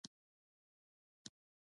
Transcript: دوی د نړۍ لوی واردونکی هم دي.